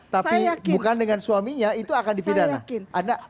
tapi bukan dengan suaminya itu akan dipidanakan